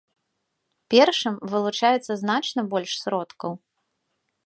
Першым вылучаецца значна больш сродкаў.